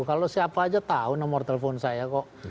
kalau siapa aja tahu nomor telepon saya kok